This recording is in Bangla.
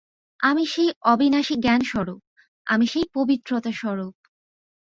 আমি সেই অবিনাশী জ্ঞান-স্বরূপ, আমি সেই পবিত্রতা-স্বরূপ।